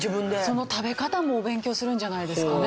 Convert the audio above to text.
その食べ方もお勉強するんじゃないですかね。